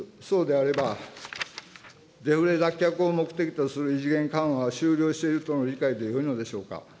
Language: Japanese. そうであれば、デフレ脱却を目的とする異次元緩和は終了しているとの理解でよいのでしょうか。